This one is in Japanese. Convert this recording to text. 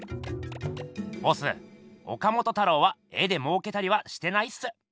ボス岡本太郎は絵でもうけたりはしてないっす。